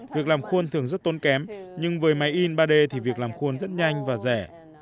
việc làm khôn thường rất tốn kém nhưng với máy in ba d thì việc làm khôn rất nhanh và rẻ